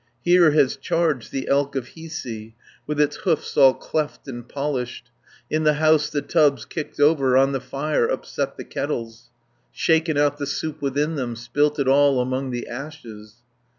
Here has charged the elk of Hiisi, With its hoofs all cleft and polished, 190 In the house the tubs kicked over, On the fire upset the kettles, Shaken out the soup within them, Spilt it all among the ashes."